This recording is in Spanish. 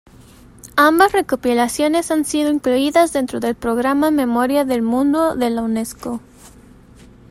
Ambas recopilaciones han sido incluidas dentro del Programa Memoria del Mundo de la Unesco.